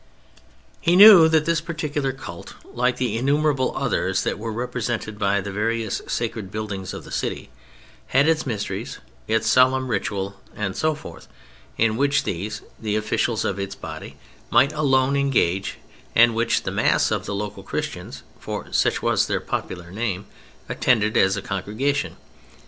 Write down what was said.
He knew that this particular cult, like the innumerable others that were represented by the various sacred buildings of the city, had its mysteries, its solemn ritual, and so forth, in which these, the officials of its body, might alone engage, and which the mass of the local "Christians"—for such was their popular name—attended as a congregation.